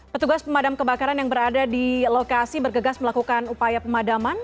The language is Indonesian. petugas pemadam kebakaran yang berada di lokasi bergegas melakukan upaya pemadaman